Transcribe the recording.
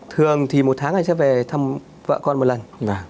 thường thì một tháng này sẽ về thăm vợ con một lần